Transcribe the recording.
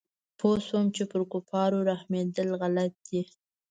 پوه سوم چې پر کفارو رحمېدل غلط دي.